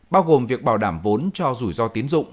bao gồm việc bảo đảm vốn cho rủi ro tiến dụng